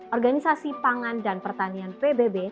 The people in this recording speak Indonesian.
organisasi pangan dan pertanian pbb